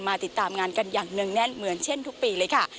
ติดตามงานกันอย่างเนื่องแน่นเหมือนเช่นทุกปีเลยค่ะ